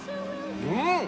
うん。